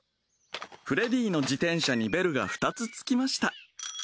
フレディの自転車にベルが２つつきました